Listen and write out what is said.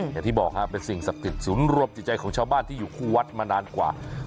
อย่างที่บอกครับเป็นสิ่งศักดิ์สิทธิศูนย์รวมจิตใจของชาวบ้านที่อยู่คู่วัดมานานกว่า